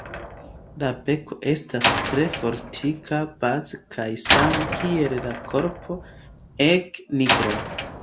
La beko estas tre fortika baze kaj same kiel la korpo ege nigra.